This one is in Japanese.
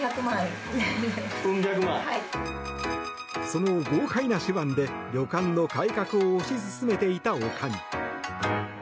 その豪快な手腕で旅館の改革を推し進めていた女将。